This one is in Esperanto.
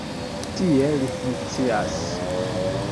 Tiel li funkcias.